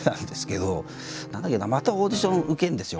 だけどまたオーディション受けるんですよ